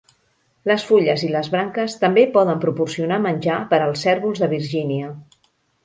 Les fulles i les branques també poden proporcionar menjar per als cérvols de Virgínia.